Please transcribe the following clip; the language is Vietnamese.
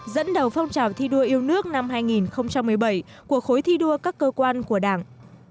dẫn đầu phong trào thi đua yêu nước năm hai nghìn một mươi bảy của khối thi đua các cơ quan của đảng